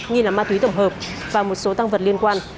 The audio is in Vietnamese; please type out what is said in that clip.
nghi là ma túy tổng hợp và một số tăng vật liên quan